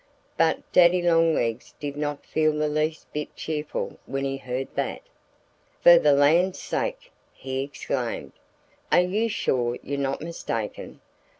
But Daddy Longlegs did not feel the least bit cheerful when he heard that. "For the land's sake!" he exclaimed. "Are you sure you're not mistaken?